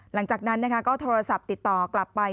หลังจากนั้นก็โทรศัพท์ติดต่อกลับไป